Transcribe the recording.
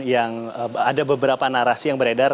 yang ada beberapa narasi yang beredar